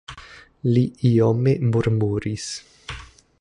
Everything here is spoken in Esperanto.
Li iome murmuris.